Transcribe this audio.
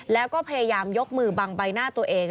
แล้วก็พยายามยกมือบังใบหน้าตัวเอง